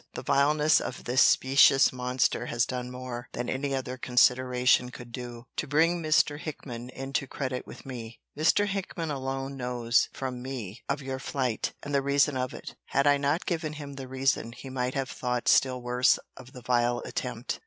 The vileness of this specious monster has done more, than any other consideration could do, to bring Mr. Hickman into credit with me. Mr. Hickman alone knows (from me) of your flight, and the reason of it. Had I not given him the reason, he might have thought still worse of the vile attempt.